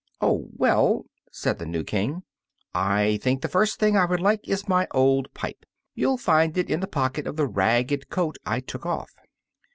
"Oh well," said the new King, "I think the first thing I would like is my old pipe. You'll find it in the pocket of the ragged coat I took off."